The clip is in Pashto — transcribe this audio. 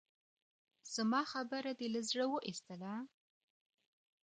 زما خبره دې له زړه اوېستله؟